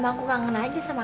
emang aku kangen aja sama kamu